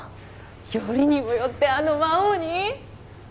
よりにもよってあの魔王に？